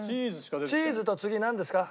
チーズと次なんですか？